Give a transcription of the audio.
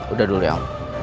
udah dulu ya om